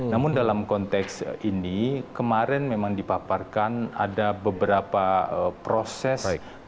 namun dalam konteks ini kemarin memang dipaparkan ada beberapa proses